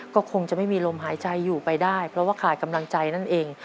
ก็คงจะไม่มีลมหายใจอยู่ไปได้เพราะว่าขาดกำลังใจนั่นเอง